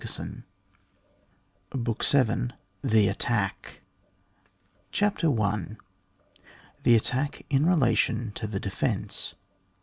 •• ON WAR. BOOK VII THE ATTACK. CHAPTER I. THE ATTACK IN RELATION TO THE DEFENCE.